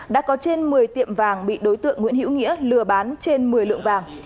đã có trên một mươi tiệm vàng bị đối tượng nguyễn hữu nghĩa lừa bán trên một mươi lượng vàng